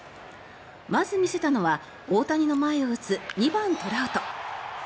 まず見せたのは大谷の前を打つ２番、トラウト。